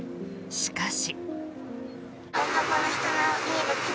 しかし。